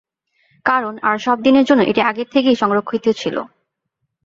কারণ আর-সব দিনের জন্য এটি আগে থেকেই সংরক্ষিত ছিলো।